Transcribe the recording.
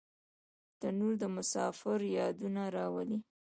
تنور د مسافر یادونه راولي